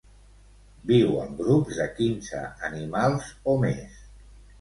Viu en grups de quinze animals o més.